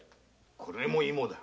これも芋だ